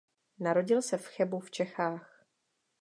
Narodil se v Chebu v Čechách.